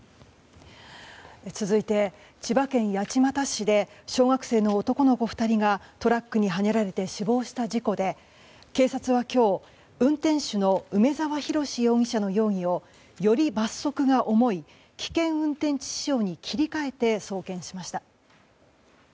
続いて千葉県八街市で小学生の男の子２人がトラックにはねられて死亡した事故で警察は今日、運転手の梅沢洋容疑者の容疑をより罰則が重い危険運転致死傷に切り替えて送検しました。